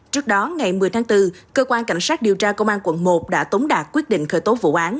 trước đó ngày một mươi tháng bốn cơ quan cảnh sát điều tra công an quận một đã tống đạt quyết định khởi tố vụ án